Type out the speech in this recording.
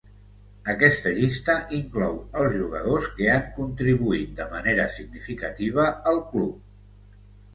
Aquesta llista inclou els jugadors que han contribuït de manera significativa al club.